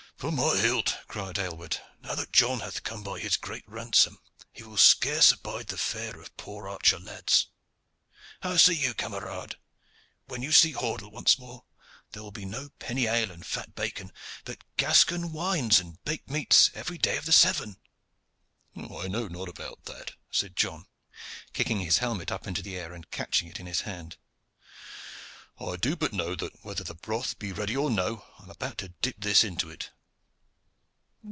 "By my hilt!" cried Aylward, "now that John hath come by this great ransom, he will scarce abide the fare of poor archer lads. How say you, camarade? When you see Hordle once more, there will be no penny ale and fat bacon, but Gascon wines and baked meats every day of the seven." "I know not about that," said John, kicking his helmet up into the air and catching it in his hand. "I do but know that whether the broth be ready or no, I am about to dip this into it."